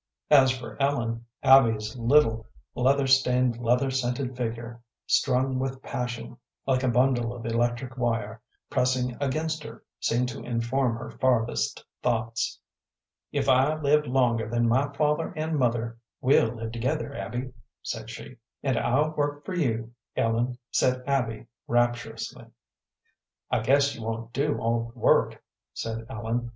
As for Ellen, Abby's little, leather stained, leather scented figure, strung with passion like a bundle of electric wire, pressing against her, seemed to inform her farthest thoughts. "If I live longer than my father and mother, we'll live together, Abby," said she. "And I'll work for you, Ellen," said Abby, rapturously. "I guess you won't do all the work," said Ellen.